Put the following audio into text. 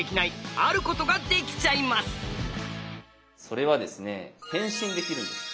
それはですね変身できるんです。